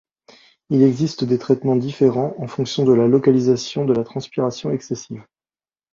Il existe des traitements différents en fonction de la localisation de la transpiration excessive.